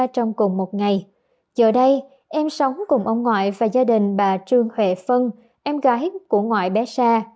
trong cùng một ngày giờ đây em sống cùng ông ngoại và gia đình bà trương huệ phân em gái của ngoại bé tra